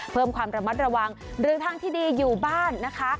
เพิ่มความระมัดระวังหรือทางที่ดีอยู่บ้านนะคะ